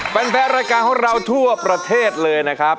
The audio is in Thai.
แฟนรายการของเราทั่วประเทศเลยนะครับ